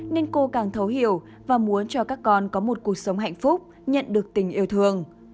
nên cô càng thấu hiểu và muốn cho các con có một cuộc sống hạnh phúc nhận được tình yêu thương